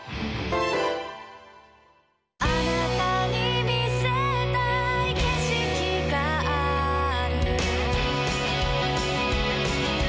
「あなたに見せたい景色がある」